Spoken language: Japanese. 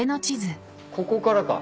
ここからか。